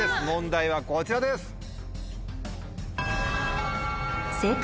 問題はこちらです。